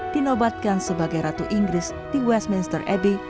dinobatkan sebagai ratu inggris di westminster abbey